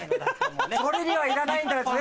それにはいらないんだぜ！